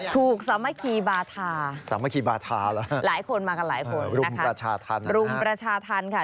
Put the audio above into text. ถูกสามัคคีบาธาสามัคคีบาธาหรอหลายคนมากันหลายคนรุมประชาธรรมนะคะ